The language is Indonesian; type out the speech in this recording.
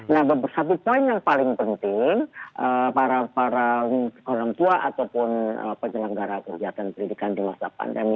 nah satu poin yang paling penting para orang tua ataupun penyelenggara kegiatan pendidikan di masa pandemi